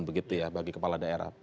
begitu ya bagi kepala daerah